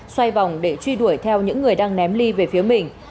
xoay vòng để truy đuổi theo những người đang ném ly về phía mình